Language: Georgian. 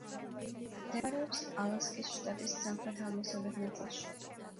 მდებარეობს ალასკის შტატის სამხრეთ-აღმოსავლეთ ნაწილში.